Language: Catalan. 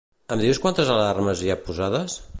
Em dius quantes alarmes hi ha posades?